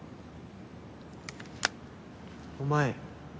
お前